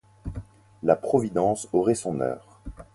La Providence aurait son heure.